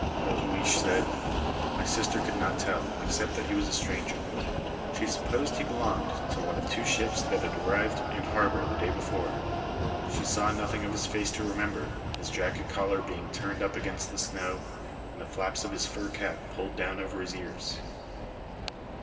Melhuish said: "My sister could not tell, except that he was a stranger. She supposed he belonged to one of two ships that had arrived in harbour the day before. She saw nothing of his face to remember; his jacket collar being turned up against the snow, and the flaps of his fur cap pulled down over his ears."